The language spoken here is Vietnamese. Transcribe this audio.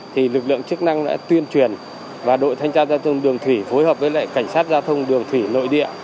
thì lực lượng chức năng đã tuyên truyền và đội thanh tra giao thông đường thủy phối hợp với lại cảnh sát giao thông đường thủy nội địa